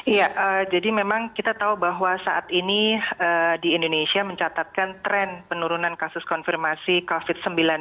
iya jadi memang kita tahu bahwa saat ini di indonesia mencatatkan tren penurunan kasus konfirmasi covid sembilan belas